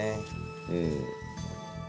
うん。